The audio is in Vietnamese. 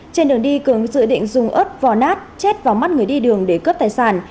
trên đường đi cường dự định dùng ớt vỏ nát chết vào mắt người đi đường để cướp tài sản